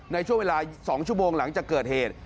ในช่วงเวลา๒ชั่วโมงหลังจากเกิดเหตุ